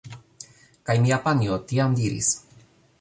Kaj mia panjo tiam diris: